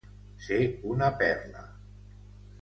Ser una perla.